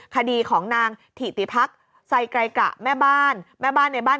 คดีของนางถิติพักไซไกรกะแม่บ้านแม่บ้านในบ้าน